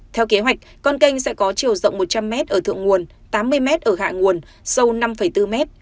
theo kế hoạch con canh sẽ có chiều rộng một trăm linh m ở thượng nguồn tám mươi m ở hạ nguồn sâu năm bốn m